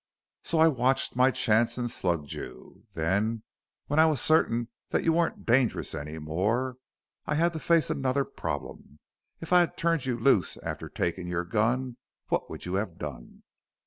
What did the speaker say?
"So I watched my chance and slugged you. Then when I was certain that you weren't dangerous any more I had to face another problem. If I had turned you loose after taking your gun what would you have done?"